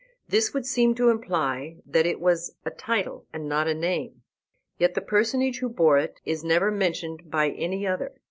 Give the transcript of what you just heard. This would seem to imply that it was a title, and not a name; yet the personage who bore it is never mentioned by any other.